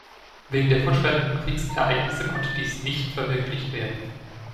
Wegen der fortschreitenden Kriegsereignisse konnte dies nicht verwirklicht werden.